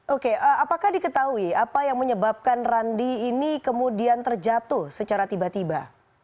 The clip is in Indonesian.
oke apakah diketahui apa yang menyebabkan randi ini kemudian terjatuh secara tiba tiba